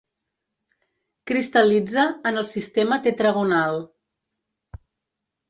Cristal·litza en el Sistema tetragonal.